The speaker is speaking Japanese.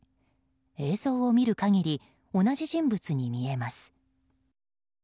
映像を見る限り同じ人物に見えます。